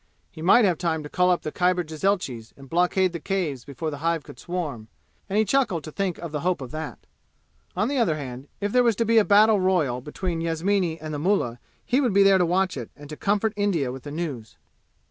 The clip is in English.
He might have time to call up the Khyber jezailchis and blockade the Caves before the hive could swarm, and he chuckled to think of the hope of that. On the other hand, if there was to be a battle royal between Yasmini and the mullah he would be there to watch it and to comfort India with the news.